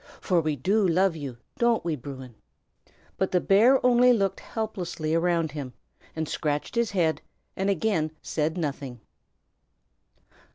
For we do love you; don't we, Bruin?" But the bear only looked helplessly around him, and scratched his head, and again said nothing.